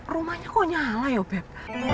rumahnya kok nyala yoh beb